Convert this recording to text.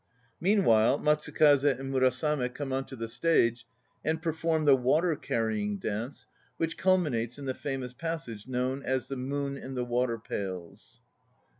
Meanwhile Matsukaze and Murasame come on to the stage and perform the "water carrying" dance which culminates in the famous passage known as "The moon in the water pails."